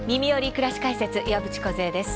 くらし解説」岩渕梢です。